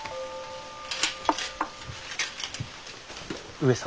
上様